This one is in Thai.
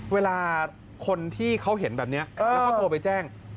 เวลาคนที่เขาเห็นแบบนี้แล้วเขาโทรไปแจ้ง